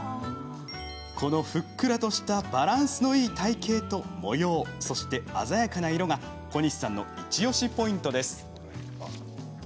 この、ふっくらとしたバランスのいい体型と模様そして鮮やかな色が小西さんのイチおしポイントです。